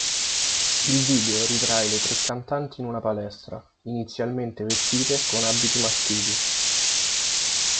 Il video ritrae le tre cantanti in una palestra, inizialmente vestite con abiti maschili.